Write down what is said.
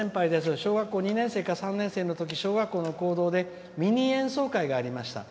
小学校２年生か３年生のころに小学校の講堂でミニ演奏会がありました。